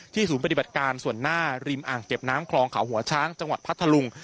ศูนย์ปฏิบัติการส่วนหน้าริมอ่างเก็บน้ำคลองเขาหัวช้างจังหวัดพัทธลุง